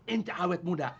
inti awet muda